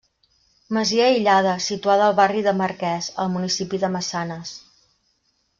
Masia aïllada, situada al barri de Marquès, al municipi de Massanes.